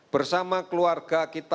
bersama keluarga kita lakukan perubahan